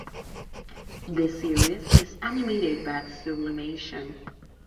The series is animated by Sublimation.